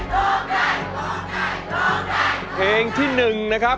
ก็เป็นภาพยนตร์มาก่อนแล้วก็มาสร้างเป็นละครกันหลายรอบมากทีดียวนะครับ